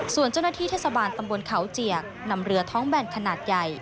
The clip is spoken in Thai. ส่วนเจ้าหน้าที่เทศบาลตำบลเขาเจียกนำเรือท้องแบนขนาดใหญ่